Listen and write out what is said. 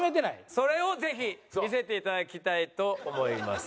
それをぜひ見せていただきたいと思います。